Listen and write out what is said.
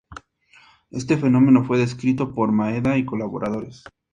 Este fenómeno fue descrito por Maeda y colaboradores.